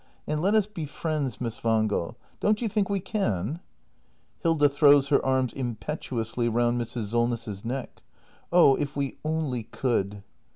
And let us be friends, Miss Wangel. Don't you think we can ? Hilda. [Throws her arms impetuously round Mrs. Solness's neck.] Oh, if we only could